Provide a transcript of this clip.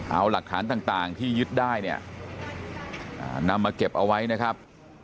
เอาหลักฐานต่างที่ยึดได้เนี่ยนำมาเก็บเอาไว้นะครับ